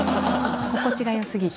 心地がよすぎて。